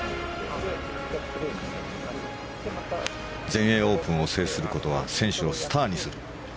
全英オープンを制することは選手をスターにする。